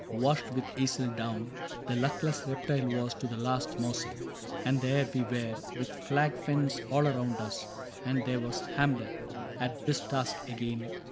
Washed with eisel down That luckless reptile was, to the last morsel ; And there we were with flag fens all around us, — And there was Hamlet, at his task again.